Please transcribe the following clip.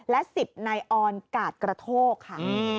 และ๑๐นายออนกาดกระโทกค่ะ